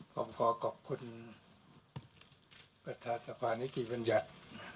ผมขอขอบคุณประธานสภานิติบัญญัติ